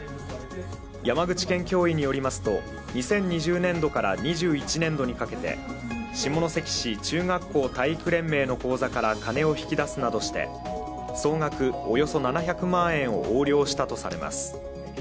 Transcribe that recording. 山口県教委によりますと２０２０年度から２１年度にかけて下関市中学校体育連盟の口座から金を引き出すなどして総額およそ７００万円を横領したとされます。